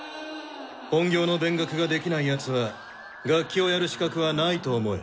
本業の勉学ができない奴は楽器をやる資格はないと思え。